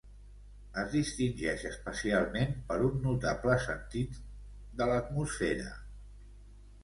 Es distingeix especialment per un notable sentit de l'atmosfera.